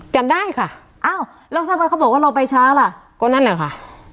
จำได้ค่ะอ้าวแล้วทำไมเขาบอกว่าเราไปช้าล่ะก็นั่นแหละค่ะ